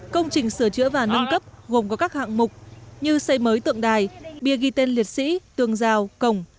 công trình sửa chữa và nâng cấp gồm có các hạng mục như xây mới tượng đài bia ghi tên liệt sĩ tường rào cổng